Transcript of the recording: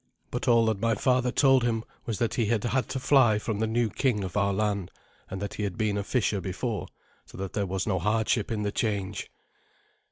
But all that my father told him was that he had had to fly from the new king of our land, and that he had been a fisher before, so that there was no hardship in the change.